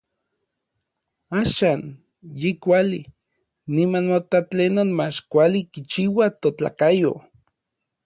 Axan yi kuali, niman mota tlenon mach kuali kichiua totlakayo.